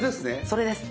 それです。